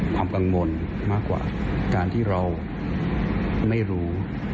ความกังวลมากกว่าการที่เราไม่รู้